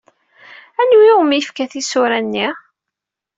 Anwa umi yefka tisura-nni?